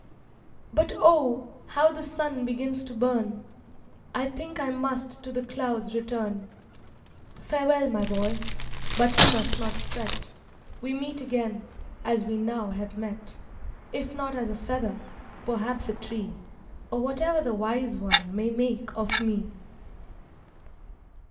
"But, oh, how the sun begins to burn! I think I must to the clouds return. Farewell, my boy! but you must not fret; We meet again, as we now have met, If not as a feather, perhaps a tree, Or whatever the Wise One may make of me."